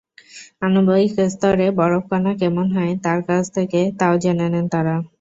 আণবিক স্তরে বরফকণা কেমন হয়, তার কাছ থেকে তাও জেনে নেন তাঁরা।